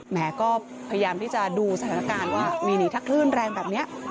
แหมก็พยายามที่จะดูสถานการณ์ว่านี่ถ้าคลื่นแรงแบบนี้